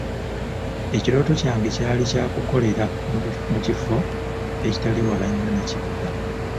Ekirooto kyange kyali kya kukolera mu kifo ekitali wala nnyo na kibuga.